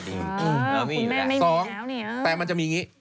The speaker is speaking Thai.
นี่อยู่แล้วค่ะสองแต่มันจะมีอย่างนี้